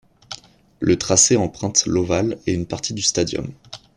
Le tracé emprunte l'ovale et une partie du stadium.